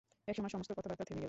একসময় সমস্ত কথাবার্তা থেমে গেল।